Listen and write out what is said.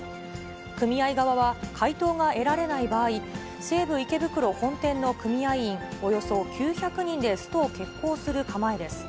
組合側は回答が得られない場合、西武池袋本店の組合員およそ９００人でストを決行する構えです。